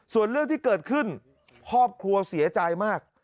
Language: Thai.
ส่วนเรื่องที่เกิดขึ้นครอบครัวเสียใจมาก